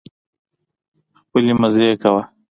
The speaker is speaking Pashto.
خپلې مزې کوه